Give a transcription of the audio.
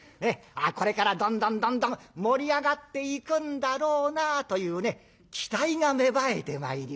これからどんどんどんどん盛り上がっていくんだろうなというね期待が芽生えてまいります。